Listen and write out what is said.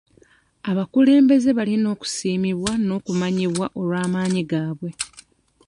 Abakulembeze balina okusiimibwa n'okumanyibwa olw'amaanyi gaabwe.